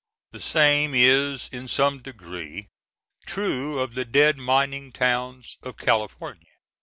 The same is in some degree true of the dead mining towns of California.